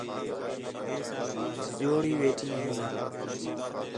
جا ݙری ویٹھی ہی